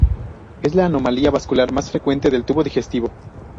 Es la anomalía vascular más frecuente del tubo digestivo.